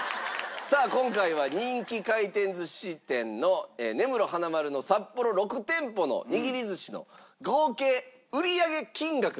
さあ今回は人気回転寿司店の根室花まるの札幌６店舗の握り寿司の合計売上金額で。